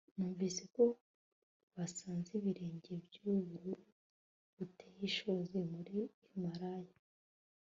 Numvise ko basanze ibirenge byurubura ruteye ishozi muri Himalaya